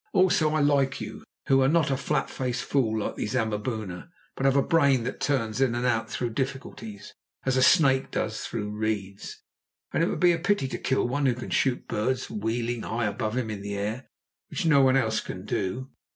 Also, I like you, who are not a flat faced fool like these Amaboona, but have a brain that turns in and out through difficulties, as a snake does through reeds; and it would be a pity to kill one who can shoot birds wheeling high above him in the air, which no one else can do.